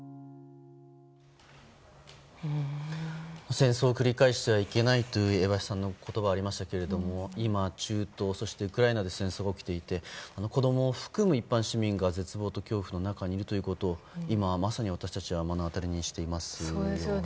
戦争を繰り返してはいけないという江橋さんの言葉がありましたが今、中東やウクライナで戦争が起きていて子供を含む一般市民が絶望と恐怖の中にいるということを今まさに私たちは目の当たりにしています。